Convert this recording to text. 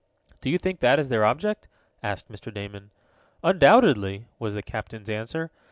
"Do you think that is their object?" asked Mr. Damon. "Undoubtedly," was the captain's answer.